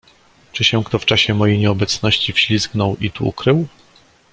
"Czy się kto w czasie mojej nieobecności wślizgnął i tu ukrył?"